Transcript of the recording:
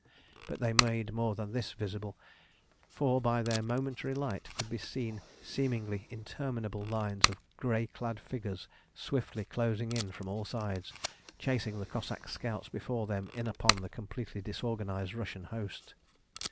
But they made more than this visible, for by their momentary light could be seen seemingly interminable lines of grey clad figures swiftly closing in from all sides, chasing the Cossack scouts before them in upon the completely disorganised Russian host.